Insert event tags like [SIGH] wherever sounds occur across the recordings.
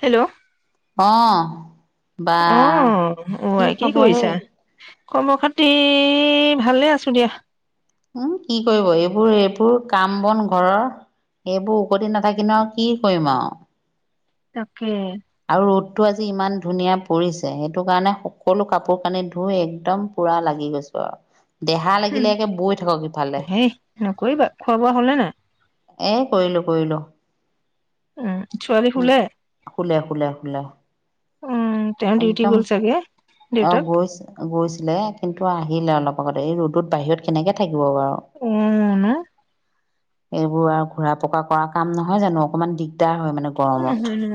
Hello অ'। অ'। অ আই কি খবৰ কৰিছা? হেই খবৰ-খাতি, ভালে আছো দিয়া। উম, কি কৰিব? এইবোৰ, এইবোৰ কাম-বন ঘৰৰ এইবোৰ উকতি নাথাকিনো আৰু কি কৰিম আৰু? তাকে আৰু ৰ'দটো আজি ইমান ধুনীয়া পৰিছে। সেইটোকাৰণে সকলো কাপোৰ-কানি ধুই একদম পুৰা লাগি গৈছো আৰু। দেহা উম লাগিলে একে বৈ থাকক ইফালে হেই নকৰিবা খোৱা বোৱা হ'লে নাই? এ কৰিলো কৰিলো। উম। ছোৱালী উম শুলে? শুলে, শুলে, শুলে। উম তেওঁ ডিউটি একদম। গ'ল চাগে অ' দেউতাক গৈছে, গৈছে। লে কিন্তু আহিলে অলপ আগতে এই ৰ'দত বাহিৰত কেনেকে থাকিল ব বাৰু? উম ন এইবোৰ আৰু ঘূৰা পকা কৰা কাম নহয় জানো অকণমান দিগ দিগদাৰ হয় মানে কিয় গৰমত নহয় ন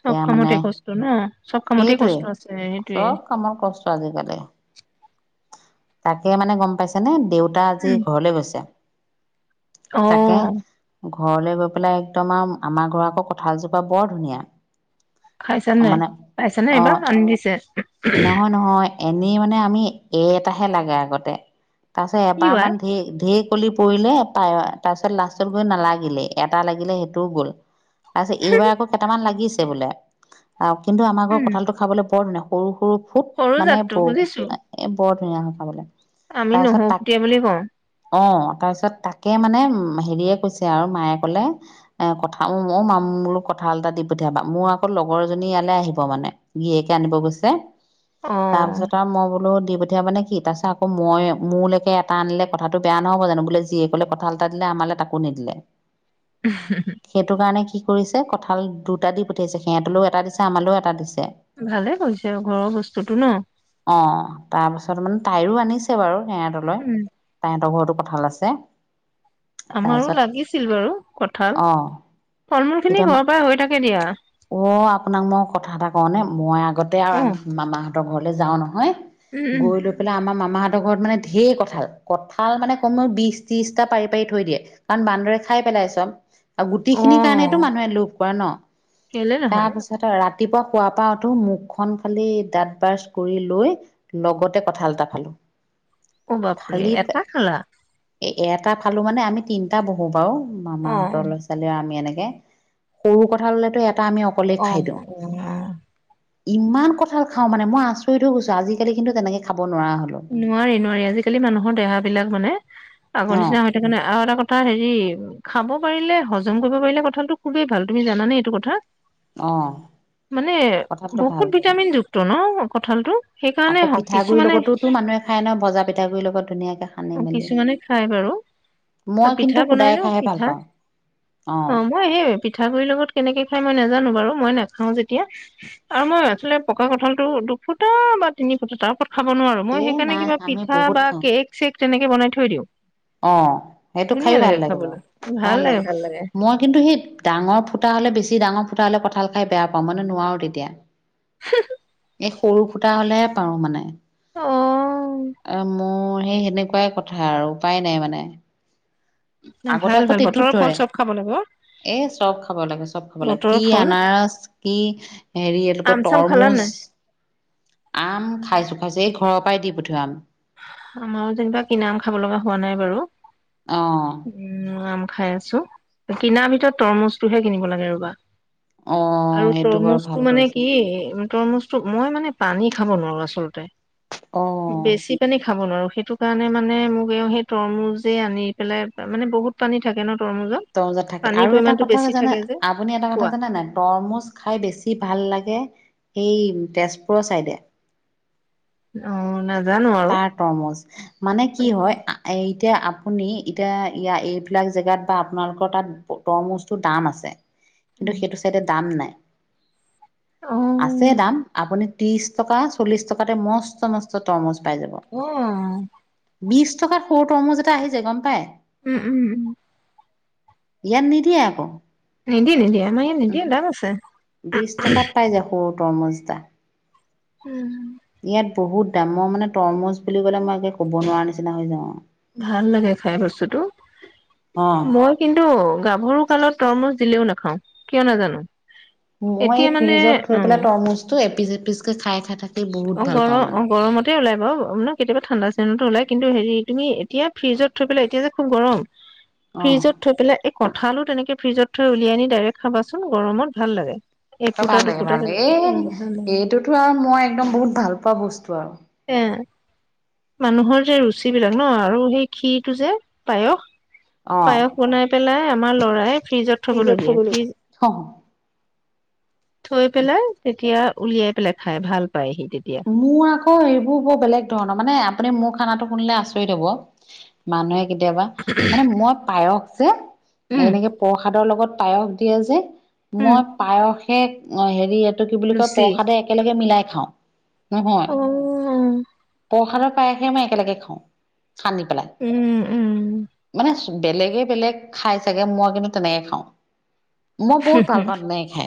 চব এয়া কামতে মানে কষ্ট ন চব কামতে কষ্ট আছে সেইটোৱে সেইটোৱে চব কামৰ কষ্ট আজিকালি। তাকে মানে গম পাইছে নে দেউতা আজি উম ঘৰলে গৈছে। অ। ঘৰলে গৈ পেলাই একদম আও আমাৰ ঘৰ আকৌ কঁঠালজোপা বৰ ধুনীয়া। খাইছা নে মানে খাইছ নে অ এইবাৰ আনি দিছে? এনি মানে আমি এ এটাহে লাগে আগতে তাৰপিছত ই ৱাই এবাৰমান ধ ধেৰ কলি পৰিলে পায় তাৰ পিছত লাষ্টত গৈ নালাগিলে এটা লাগিলে সেইটোও গ'ল। তাৰপিছত এইবাৰ আকৌ কেইটামান লাগিছে বোলে অ কিন্তু আমাৰ ঘৰ উম কঠালটো খাবলৈ বৰ ধুনীয়া, সৰু সৰু খুব সৰু মানে জাতটো ব বুজিছো এ বৰ ধুনীয়া হয় খাবলে। আমি নহৰু ফুটিয়া বুলি কওঁ। অ তাৰপিছত তাকে মানে হেৰিয়ে কৈছে আৰু মায়ে কলে এ কথা অ মা মোলো কঁঠাল এটা দি পঠিয়াবা মোৰ আকৌ লগৰজনী ইয়ালে আহিব মানে, গীৰিয়েকে আনিব গৈছে। অ তাৰপিছত আৰু মই বোলো দি পঠিয়াব মানে কি তাৰ পাছ আকৌ মই মোৰলৈকে এটা আনিলে কথাটো বেয়া নহ'ব জানো বোলে জীয়েকলে কঁঠাল এটা দিলে আমালে তাকো নিদিলে, সেইটোকৰণে কি কৰিছে কঁঠাল দুটা দি পঠিয়াইছে সিহঁতলৈও এটা দিছে আমালেও এটা দিছে। ভালে কৰিছে আৰু ঘৰৰ বস্তুটো ন? তাৰপিছত মানে তাইয়ো আনিছে বাৰু সেহঁতলৈ উম, তাহঁতৰ ঘৰতো কঁঠাল আছে। আমাৰো তাৰপিছত লাগিছিল বাৰু কঁঠাল। অ ফল মূল খিনি এতিয়া ঘৰৰ পৰা হৈ থাকে দিয়া। অ আপোনাক মই কথা এটা কওঁ নে? মই আগতে অ', উম, আৰু মামাহঁতৰ ঘৰলে যাওঁ নহয়, উম, গৈ লৈ পেলাই আমাৰ মামাহঁত ঘৰত মানে ধেৰ কঁঠাল, কঁঠাল মানে কমেও বিশ ত্ৰিশটা পাৰি পাৰি থৈ দিয়ে কাৰণ বান্দৰে খাই পে লায় চব আৰু গুটি খিনিৰ কাৰণেতটো অ', মানুহে লোভ কৰে ন। কেলে নহয় তাৰপিছত ৰা ৰাতিপুৱা শুৱাৰ পৰা উঠো মুখখন খালি দাঁত ব্ৰাছ কৰি লৈ লগতে কঁঠাল এটা ফালো। অ বাপৰে ফালি এটা খালা? এ এটা ফালো মানে আমি তিনিটা বহোঁ বাৰু, অ', মামাহঁতৰ লৰা ছোৱালী আৰু আমি এনেকে সৰু কঁঠাল হলেটো এটা আমি অকলেই অ', খাই অ', দিওঁ। অ ইমান কঁঠাল খাও মানে মই আচৰিত হৈ গৈছো, আজালি কিন্তু তেনেকে খাব নোৱাৰা হলো নোৱাৰি নোৱাৰি আজিকালি মানুহৰ দেহা বিলাক মানে আগৰ অ নিচিনা হৈ থকা নাই। আৰু এটা কথা হেৰি খাব পাৰিলে হজম কৰিব পাৰিলে কঁঠালটো খুবেই ভাল, তুমি জানে এইটো কথা? অ। মানে কঁঠালটো ভাল বহুত ভাল ভিটামিনযুক্ত ন কঁঠালটো সেইকাৰণে আকৌ হওক পিঠাগুড়িৰ কিছুমানে লগতোতো মানুহে খাই ন ভজা পিঠাগুৰিৰ লগত ধুনীয়াকে সানি মেলি। কিছুমানে খাই বাৰু মই পিঠা কিন্তু বনাই শুদায়ে ন খাইহে ভাল পিঠা পাওঁ। অ মই হে পিঠাগুৰিৰ লগত কেনেকে খাই মই নাজানো বাৰু। মই নাখাও যেতিয়া আৰু মই আচলতে পকা কঠাল টো দু ফুটা বা তিনি ফুটা তাৰ ওপৰত খাব নোৱাৰো এ মই সেইকাৰণে নাই কিবা আমি পিঠা বহুত বা খাওঁ কেক চেক তেনেকে বনাই থৈ দিওঁ। অ সেইটো খাইয়ো ভাল লাগে বাৰু ভাল লাগে। মই কিন্তু সেই ডাঙৰ ফু ফুটা হ'লে বেছি ডাঙৰ ফুটা হলে কঁঠাল খাই বেয়া পাওঁ মানে নোৱাৰো তেতিয়া। [INAUDIBLE] এই সৰু ফুটা হলেহে পাৰো মানে। অ আহ মোৰ সেই সেনেকুৱাই কথা আৰু উপায় নাই মানে। আগতে ভাল আকৌ ভাল তেতুত বতৰৰ ফল ধৰে চব খাব লাগে অ। এ চব খাব লাগে - চব খাব লাগে বতৰৰ কি ফল আনাৰস কি হেৰি আম চাম তৰমুজ। [INAUDIBLE] আম খাইছো - খাইছো এই ঘৰৰ পৰাই দি পঠোৱা আম। আমাৰো যেনিবা কিনা আম খাব লগা হোৱা নাই বাৰু। উম, আম খাই আছো কিনাৰ ভিতৰত তৰমুজটোহে কিনিব লাগে ৰবা। অ অ আৰু সেইটো বাৰু তৰমুজটো ভাল মানে কৰিছা কি তৰমুজ মই মানে পানী খাব নোৱাৰো আচলতে, অ বেছি পানী খাব নোৱাৰো সেইটো কাৰণে মানে মোক এও সেই তৰমুজে আনি পেলাই মানে বহুত পানী থাকে ন? তৰমুজত থাকে পানীৰ আৰু এটা পৰিমাণটো কথা বেছি জানা থাকে যে আপুনি এটা কথা খোৱা জানে নাই? তৰমুজ খাই বেছি ভাল লা গে তেজপুৰৰ চাইডে। অ, না তাৰ তৰমুজ মানে কি হয়, এই এতিয়া আপুনি এতিয়া ইয় এইবিলাক জেগাত বা আপোনালোকৰ তাত তৰমুজটো দাম আছে। কিন্তু সেইটো চাইডে দাম নাই। অ অ আছে দাম আপুনি ত্ৰিশ টকা চল্লিশ টকাতে মস্ত - মস্ত তৰমজ। অহ', বিশ টকাৰ সৰু তৰমুজ এটা আহি যায় গম পায়। উম- উম - উম। ইয়াত নিধিয়ে আকৌ। নিদিয়ে - নিদিয়ে আমাৰ নিদিয়ে দাম আছে। ৰমজ দা। উম - উম। বহুত দামৰ মানে তৰমুজ বুলি ক'লে মই একে ক'ব নোৱাৰা নিচিনা হৈ যাও। ভাল লাগে খাই বস্তুতটো অ'। মই কিন্তু গাভৰু কালত। তৰমুচ দিলেও নাখাও কিয় নাজানো। মই এতিয়া এই মানে ফ্ৰিজত থৈ অ পেলাই তৰমুজটো এপিচ এপিচ কে খাই - খাই। থাকি বহুত অ, ভাল গৰম পাওঁ - অ, মানে। গৰমতে ওলাই। ব ন কেতিয়াবা ঠাণ্ডা চিজেনটোওলায় কিন্তু হেৰি তুমি এতিয়া ফিজত থৈ পেলাই এতিয়া যে খুব গৰম। অ' ফ্ৰিজত থৈ পেলাই। কঠালো তেনেকে ফ্ৰিজত থৈ উলিয়াইনি ডাইৰেক্ট খাবাচোন গৰমত ভাল লাগে। এফুটা ভালে - দুফুটা ভাল এ তেনেকে ভাল লাগে এইটোতো আৰু মই একদম বহুত ভাল পোৱা বস্তু আৰু। এ মানুহৰ যে ৰুচি বিলাক ন আৰু সেই ক্ষীৰটো যে পায়স। অ'। পায়স বনাই পেলাই আমাৰ ল'ৰাই ফ্ৰিজত থবলগীয়া ফ্ৰিজ। অ' থৈ পেলাই তেতিয়া উলিয়াই পেলাই খাই ভাল। পায় সি তেতিয়া মোৰ আকৌ এই, ব বেলেগ ধৰণৰ মানে আপুনি মোৰ খানাটো শুনিলে আচৰি দব মানুহে কেতিয়াবা মানে মই পায়স যে উম এনেকে প্ৰসাদৰ লগত পায়স দিয়ে যে। উম মই পায়সে হেৰি এইটো কি বুলি কয় লুচি প্ৰসাদে একেলগে মিলাই খাও। নহয় অ প্ৰসাদৰ প্ৰায়সে মই একেলগে খাও। সান্দি পেলাই উম উম মানে। বেলেগে - বেলেগ খাই চাগে মই কিন্তু তেনেকে খাও।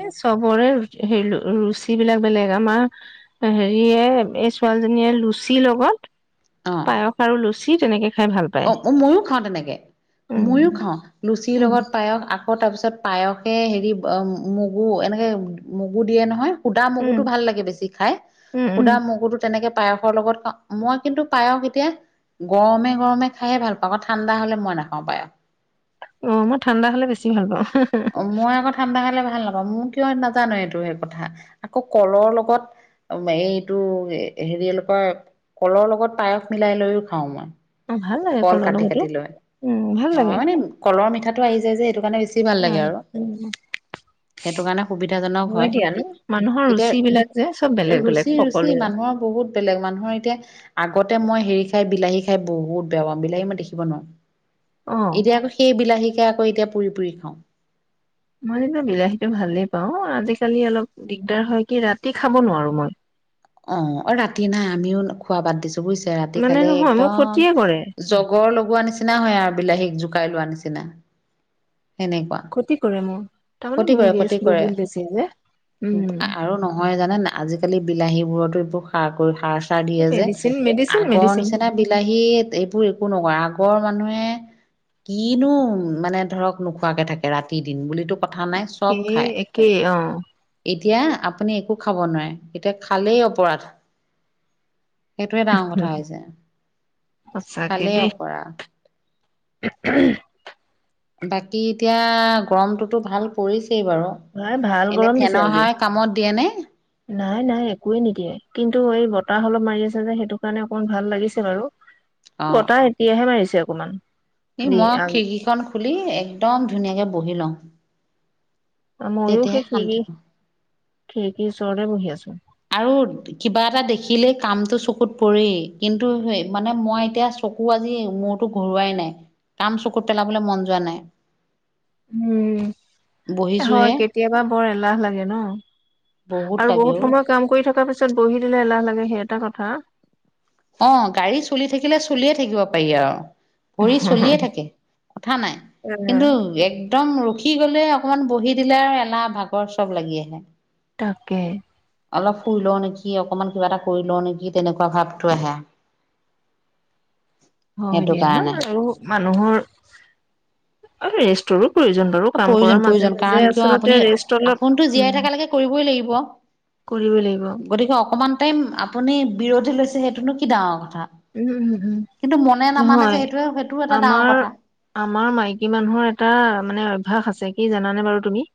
এই চবৰে হে ৰুচি বিলাক। বেলেগ আমাৰ হেৰিয়ে এই ছোৱালীজনীয়ে লুচিৰ লগত। অ পায়স আৰু লুচি তেনেকে। খাই ভাল পায়। অ, ময়ো খাও তেনেকে উম, ময়ো খাও লুচিৰ উম, লগত পায়ক। আকৌ তাৰপিছত পায়সে হেৰি মগু এনেকৈ মগু দিয়ে নহয়। সুদা উম, মগুটো ভাল লাগে বেছি খাই উম। উম। সুদা মগুটো তেনেকে। পায়সৰ লগত খাও মই কিন্তু পায়স এতিয়া গৰমে - গৰমে। খাইে ভাল পাও ঠাণ্ডা হ'লে মই নাখাও পায়াস। অ মই ঠাণ্ডা হলে বেছি ভাল পাওঁ। অ মই আকৌ ঠাণ্ডা খালে ভাল। ভাল নাপাওঁ মোৰ কিয় নাজানো এইটো সেই কথা আকৌ কলৰ লগত। এইটো হেৰি অলপৰ কলৰ লগত পায়স মিলাই লৈও খাওঁ মই। অ', ভাল লাগে কল কলৰ কাটি লগতো। কাটি লৈ উম, ভাল অ লাগে। মানে কলৰ মিঠাটো আহি যায় যে এইটো। মানে বেছি ভাল লাগে অ', আৰু। উম, সেইটো কাৰণে সুবিধাজনক হয়। দিয়া ন? মানুহৰ এতিয়া ৰুচি বিলাক যে চব বেলেগ বেলেগ ৰুচি ৰুচি সকলোৰে। মানুহৰ বহুত। বেলেগ মানুহৰ এতিয়া আগতে মই হেৰি খাই বিলাহী, খাই বহুত বেয়া পাওঁ বিলাহী মই দেখিব অ', নোৱাৰো। এতিয়া আকৌ সেই বিলাহীকে আকৌ এতিয়া পুৰি পুৰি খাওঁ। মইতো বিলাহীটো ভালেই পাওঁ আজিকালি অলপ দিগদাৰ হয় কি ৰাতি খাব নোৱাৰো মই। অ অ ৰাতি নাই আমিও খোৱা বাদ দিছো। বুজিছে ৰাতি মানে খালে নহয় মোৰ একদম ক্ষতিয়ে কৰে, জগৰ লগোৱা নিচিনা হয় আৰু বিলাহীক জোকাই লোৱা নিচিনা। পাচিনা ক্ষতি কৰে মোৰ তাৰমানে ক্ষতি মোৰ কৰে গেছ ক্ষতি কৰে বহুত বেছি যে উম, আৰু নহয় জানে আজিকালি বিলাহী বোৰতো। এইবোৰ সাৰ কৰি সাৰ চাৰ দিয়ে যে মেডিচিন, মেডিচিন, আগৰ মেডিচিন। নিচিনা বিলাহী এইবোৰ- আগৰ মানুহে- কিনো মানে ধৰক নোখোৱাকে থাকে ৰাতি দিন বুলিতো কথা নাই চব সেয়ে খায়। একেই অ', এতিয়া আপুনি একো খাব নোৱাৰে এতিয়া খালেই অপৰাধ- সেইটোৱে ডাঙৰ কথা হৈছে খালেই অপৰাধ- উ বাকী এতিয়া গৰমটোতো ভাল পৰিছে বাৰু নাই ভাল এনে গৰম দিছে ফেনৰ আজি। হাৱাই কামত দিয়ে নে। নাই নাই একোৱে নিদিয়ে কিন্তু এই বতাহ অলপ মাৰি আছে যে সেইটো কাৰণে অকণমান ভাল লাগিছে বাৰু বতাহ এতিয়াহে মাৰিছে অকণমান- ই মই খিৰিকীখন খুলি একদম ধুনীয়াকে বহি লম মইও সেই খিকি পাওঁ। খিৰিকিৰ ওচৰতে বহি আছো। আৰু কিবা এটা দেখিলেই কামটো চকুত পৰি কিন্তু স মানে মই এতিয়া। চকু আজি মূৰতো ঘৰোৱাই নাই কাম চকুত পেলাবলৈ মন যোৱা নাই। উম হয় বহিছোহে কেতিয়াবা বৰ এলাহ লাগে। ন- আৰু লাগে অ। বহুত সময় কাম কৰি থকাৰ পিছত বহি দিলে এলাহ লাগে সেই এটা কথা। অ গাড়ী চলি থাকিলে চলিয়ে থাকিব পাৰি আৰু ভৰি চলিয়ে থাকে কথা নাই এ কিন্তু একদম ৰখি গলে অকমান বহি দিলে আৰু এলাহ ভাগৰ চব লাগি আহে তাকে- অলপ শুই লও নেকি অকমান কিবা এটা কৰি লও নেকি তেনেকুৱা ভাৱটো আহে- [INAUDIBLE] হয় সেইটো দিয়া কাৰণে। ন আৰু মানুহৰ আৰু ৰেষ্ট- প্ৰয়োজন বাৰু কাম প্ৰয়োজন কৰাৰ মাজে প্ৰয়োজন কাৰণ মাজে কিয় আপুনি আচলতে ৰেষ্ট অলপ আপোনটো জীয়াই উম থকালৈকে কৰিবই লাগিব। কৰিব লাগিব। গতিকে অকমান টাইম আপুনি বিৰতি লৈছে সেইটোনো কি ডাঙৰ কথা। উম উম উম কিন্তু মনে নামানে যে নহয়। সেইটোৱে সেইটোও এটা ডাঙৰ আমাৰ কথা। আমাৰ মাইকী মানুহৰ এটা মানে- অভ্যাস আছে কি জানা নে বাৰু তুমি-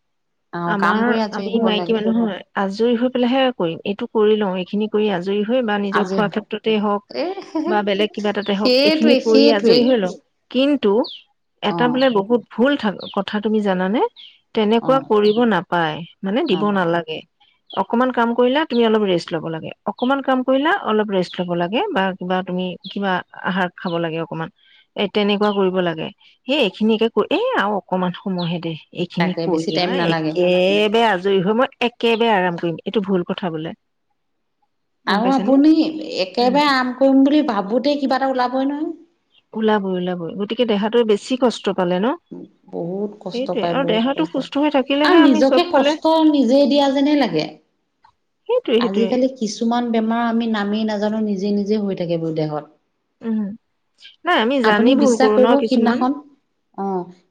অ কাম আমাৰ কৰি আজৰি আমি হ'ব মাইকী লাগে মানুহ আজৰি হৈ পেলাইহে কৰিম এইটো কৰি লওঁ- সেইখিনি কৰি আজৰি হৈ বা নিজৰ আজৰি হ খোৱাৰ ক্ষেত্ৰতেই হওক - এ বা বেলেগ কিবা এটাতে হওক এইখিনি সেইটোৱে কৰি সেইটোৱে আজৰি হৈ লওক- কিন্তু অ এটা বোলে বহুত ভুল কথা তুমি জানানে। অ তেনেকুৱা কৰিব নাপায় মানে দিব তাৰপৰা নালাগে। অকনমান কাম কৰিলা তুমি অলপ ৰেষ্ট লব লাগে, অকনমান কাম কৰিলা অলপ ৰেষ্ট লব লাগে। বা কিবা তুমি কিবা আহাৰ খাব লাগে অকমান, এ তেনেকুৱা কৰিব লাগে। সেই এইখিনিকে কৰি এ আৰু অকনমান সময়হে দে এইখিনি তাকে কৰি বেছি টাইম আৰু নালাগে। একেবাৰে আজ জয়ী হৈ মই একেবাৰে আৰাম কৰিম এইটো ভুল কথা বোলে। গম আৰু পাইছানে আপুনি একেবাৰে আৰাম কৰিম বুলি ভাবোতে কিবা এটা ওলাবই নহয়। ওলাবই ওলাবই গতিকে দেহাটো বেছি কষ্ট পালে ন? বহুত কষ্ট সেইটোৱে পায় আৰু বহুত দেহাটো কষ্ট। সুস্থ হৈ আৰু থাকিলেহে আমি নিজকে চব ফালে কষ্ট নিজে দিয়া যেনে লাগে। সেইটোৱে সেইটোৱে আজিকালি কিছুমান বেমাৰ আমি নামেই নাজানো নিজে নিজে হৈ থাকে ব দেহত। উম। নাই আমি জানি আপুনি ভুল বিশ্বাস কৰো ন কৰিব কিছুমান সিদিনাখন অ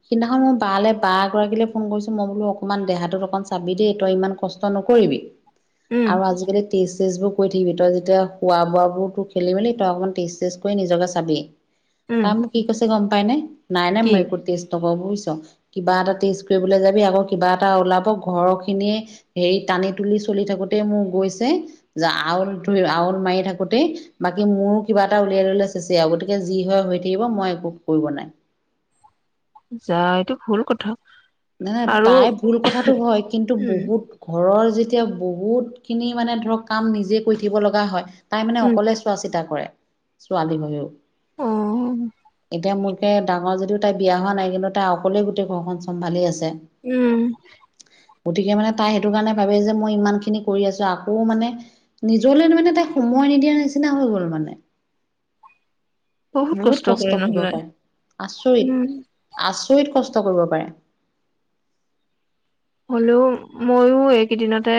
সিদিনাখন বা লে বা এগৰাকীলৈ ফোন কৰিছো মই বোলো অকমান দেহাটো অকন চাবি দেই তই ইমান কষ্ট নকৰিবি। উম আৰু আজিকালি তিশ তেজবোৰ কৰি থাকিবি তই যেতিয়া খোৱা বোৱাবোৰ তোৰ খেলি মেলি তই অকন তেজ তেজ কৰি নিজকে চাবি। উম তাৰ মোক কি কৈছে গম পাই নাই নাই নাই কি মই একো তেজ নকৰো। বুজিছ কিবা এটা টেষ্ট কৰিবলৈ যাবি আকৌ কিবা এটা ওলাব ঘৰ খিনিয়ে হেৰি টানি চলি থাকোতে মোৰ গৈছে, আল ধ আউল মাৰি থাকোতেই, বাকি মোৰো কিবা এটা উলিয়াই ললে চেচি আৰু গতিকে যি হয় হৈ থাকিব মই একো কৰিব নাই। যা এইটো ভুল কথা। নাই আৰু তাই ভুল কথাতটো হয় কিন্তু উম বহুত ঘৰৰ যেতিয়া বহুত খিনি মানে ধৰক কাম নিজে কৰি থাকিব লগা হয়, তাই মানে উম অকলে চোৱা চিতা কৰে। ছোৱালীহৈও। অ। এতিয়া মোৰকে ডাঙৰ যদিও তাই বিয়া হোৱা নাই কিন্তু তাই অকলেই গোটেই ঘৰখন চম্ভালি আছে। উম। গতিকে মানে তাই সেইটো কাৰণে ভাবে যে মই ইমান খিনি কৰি আছো আকৌ মানে নিজলৈ মানে তাই সময় নিদিয়াৰ নিচিনা হৈ গ'ল মানে। বহুত কষ্ট কৰিব পাৰে আচৰিত উম আচ চৰিত কষ্ট কৰিব পাৰে। হলেও মইও এইকেইদিনতে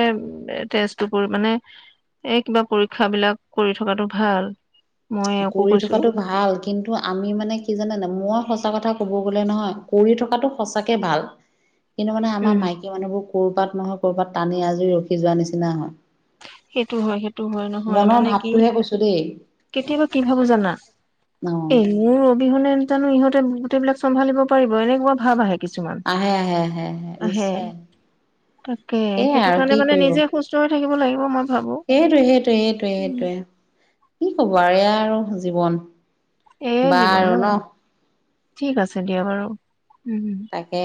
তেজটোপুৰ মানে এই কিবা পৰীক্ষা বিলাক কৰি থকাটো ভাল। মই একো কৰি কৈছো থকাটো ভাল কিন্তু আমি মানে কি জানে ন মই সচ এটা কথা কব গ'লে নহয় কৰি থকাটো সঁচাকে ভাল, কিন্তু মানে আমাৰ উম মাইকী মানুহবোৰ ক'ৰবাত নহয় ক'ৰবাত টানি আজুৰি ৰখি যোৱা নিচিনা হয়। সেইটো হয় সেইটো হয় নহয় মনৰ মানে কি ভাৱটোহে কৈছো দেই কেতিয়াবা কি ভাবো জানা? অ'। এই মোৰ অবিহনে জানো ইহঁতে গোটেই বিলাক চম্ভালিব পাৰিব? এনেকুৱা ভাৱ আহে। কিছুমান আহে আহে আহে আহে নিশ্চয়। তাকে সেয়াই সেইটো আৰু কাৰণে মানে নিজে সুস্থ হৈ থাকিব লাগিব মই। ভাবো এইটো সেইটো এইটোৱে এইটে কি কবা আৰু এয়া আৰু জীৱন। এয়ে জীৱন বাৰু ন? ঠিক আছে দিয়া বাৰু। উম তাকে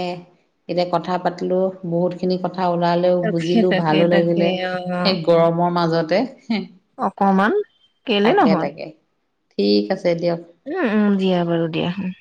এতিয়া কথা পাতিলো বহুত খিনি কথা কথা ওলালেও তাকে বুজিলো তাকে ভালো তাকে লাগিলে অ সেই গৰমৰ মাজতে অকমান। কেলে তাকে নহয় তাকে ঠিক আছে। দিয়ক উম উম দিয়া বাৰু দিয়া হ।